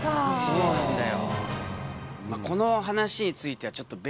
そうなんだよ。